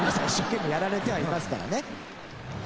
一生懸命やられてはいますからね。